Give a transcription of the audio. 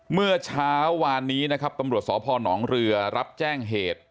เมื่อเช้าวานนี้นะครับตำรวจสพนเรือรับแจ้งเหตุ